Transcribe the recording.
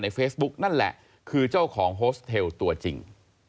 เฟซบุ๊กนั่นแหละคือเจ้าของโฮสเทลตัวจริง